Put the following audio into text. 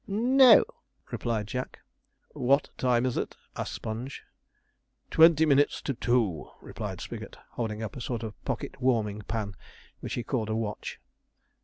'No,' replied Jack. 'What time is it?' asked Sponge. 'Twenty minutes to two,' replied Spigot, holding up a sort of pocket warming pan, which he called a watch.